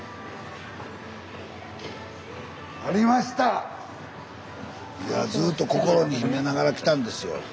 スタジオいやずっと心に秘めながら来たんですよ。